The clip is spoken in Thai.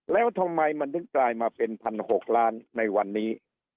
แล้วทำไมมันถึงกลายมาเป็น๑๖ล้านในวันนี้